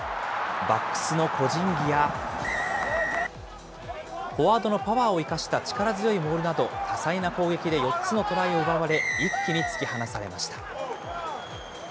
バックスの個人技や、フォワードのパワーを生かした力強いモールなど、多彩な攻撃で４つのトライを奪われ、一気に突き放されました。